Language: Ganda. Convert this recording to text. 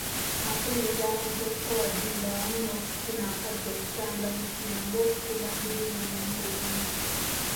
Akubirizza abantu okukola dduyiro awamu n'okufuna akadde okutambulamu kiyambe okukuuma omubiri nga mulamu bulungi.